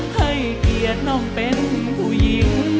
ให้เกียรติน้องเป็นผู้หญิง